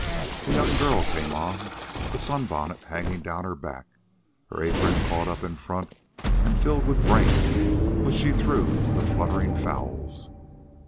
A young girl came on, a sunbonnet hanging down her back, her apron caught up in front and filled with grain which she threw to the fluttering fowls.